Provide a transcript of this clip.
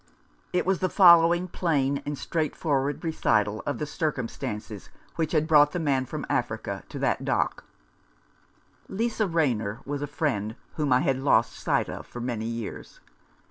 It was the following plain and straightforward recital of the circumstances which had brought the man from Africa into that dock :— "Lisa Rayner was a friend whom I had lost sight of for some years.